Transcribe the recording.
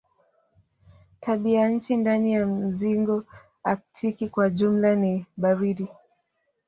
Tabianchi ndani ya mzingo aktiki kwa jumla ni baridi.